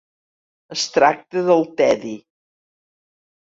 Es tracta del tedi.